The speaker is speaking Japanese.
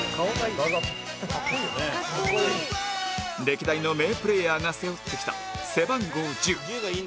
歴代の名プレーヤーが背負ってきた背番号１０